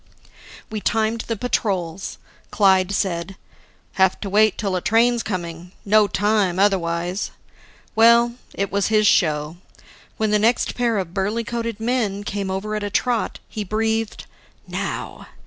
We timed the patrols. Clyde said, "Have to wait till a train's coming. No time otherwise." Well, it was his show. When the next pair of burly coated men came over at a trot, he breathed, "Now!"